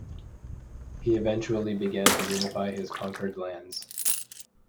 He eventually began to unify his conquered lands.